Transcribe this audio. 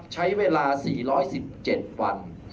ใช้เวลา๕๓วัน